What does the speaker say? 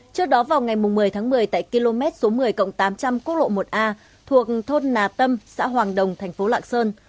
trước đó vào ngày một mươi tháng một mươi tại km số một mươi tám trăm linh quốc lộ một a thuộc thôn nà tâm xã hoàng đồng thành phố lạng sơn